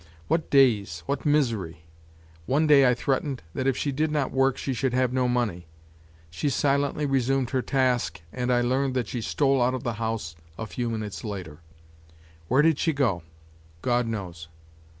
What days! What misery! One day I threatened that if she did not work she should have no money; she silently resumed her task and I learned that she stole out of the house a few minutes later. Where did she go? God knows.